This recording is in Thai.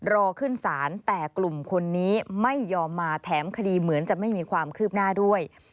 รอขึ้นศาลแต่กลุ่มคนนี้ไม่ยอมมาแถมคดีเหมือนจะไม่มีความคืบหน้าด้วย